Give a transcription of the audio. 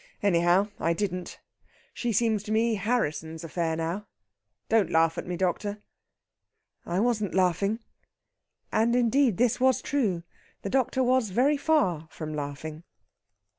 Anyhow, I didn't. She seems to me Harrisson's affair now. Don't laugh at me, doctor!" "I wasn't laughing." And, indeed, this was true. The doctor was very far from laughing.